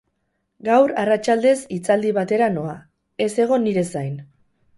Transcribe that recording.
Gaur arratsaldez hitzaldi batera noa, ez egon nire zain.